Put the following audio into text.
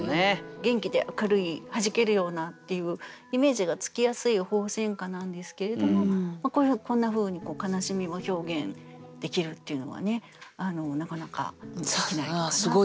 元気で明るい弾けるようなっていうイメージがつきやすい鳳仙花なんですけれどもこんなふうに悲しみを表現できるっていうのはねなかなかできない句かなと思います。